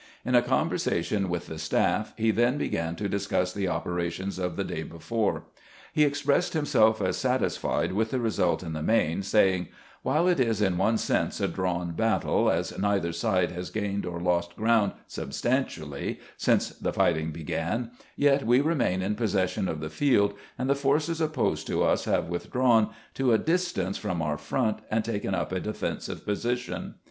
In a conversation with the staff he then began to discuss the operations of the day before. He ex pressed himself as satisfied with the result in the main, saying: "While it is in one sense a drawn battle, as neither side has gained or lost ground substantially since the fighting began, yet we remain in possession of the field, and the forces opposed to us have withdrawn to a distance from our front and taken up a defensive position.